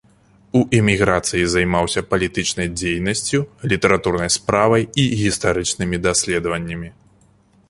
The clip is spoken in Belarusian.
У эміграцыі займаўся палітычнай дзейнасцю, літаратурнай справай і гістарычнымі даследаваннямі.